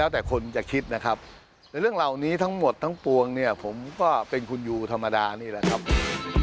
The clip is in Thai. ทั้งปวงผมก็เป็นคุณยูธรรมดานี่แหละครับ